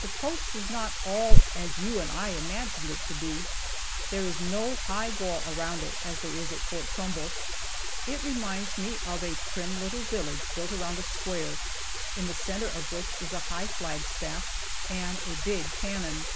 The post is not at all as you and I had imagined it to be. There is no high wall around it as there is at Fort Trumbull. It reminds one of a prim little village built around a square, in the center of which is a high flagstaff and a big cannon.